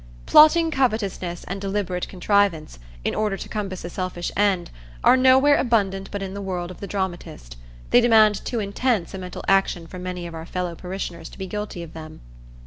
Plotting covetousness and deliberate contrivance, in order to compass a selfish end, are nowhere abundant but in the world of the dramatist: they demand too intense a mental action for many of our fellow parishioners to be guilty of them.